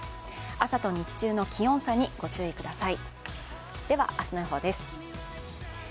朝と日中の気温差にご注意ください。